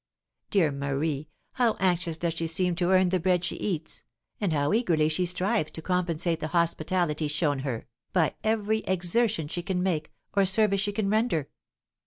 Dear Marie, how anxious does she seem to earn the bread she eats, and how eagerly she strives to compensate the hospitality shown her, by every exertion she can make, or service she can render!